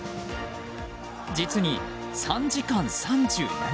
実に３時間３７分。